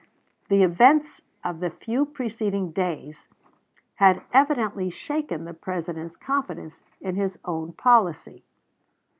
The events of the few preceding days had evidently shaken the President's confidence in his own policy.